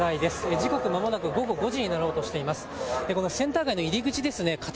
時刻まもなく午後５時になろうとしています。